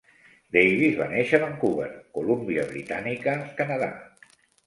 Davis va néixer a Vancouver, Columbia Britànica, Canadà.